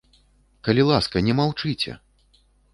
Калі ласка, не маўчыце!